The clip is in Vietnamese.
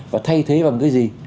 và thay thế bằng cái gì